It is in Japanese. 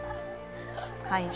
会場